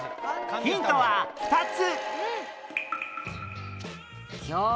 ヒントは２つ！